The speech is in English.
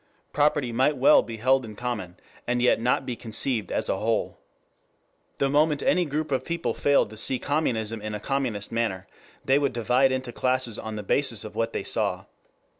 Property might well be held in common, and yet not be conceived as a whole. The moment any group of people failed to see communism in a communist manner, they would divide into classes on the basis of what they saw.